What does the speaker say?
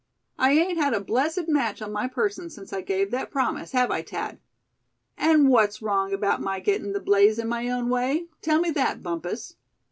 I ain't had a blessed match on my person since I gave that promise, have I, Thad? And what's wrong about my getting the blaze in my own way, tell me that, Bumpus?"